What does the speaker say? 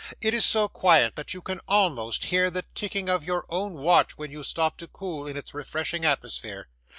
It is so quiet, that you can almost hear the ticking of your own watch when you stop to cool in its refreshing atmosphere.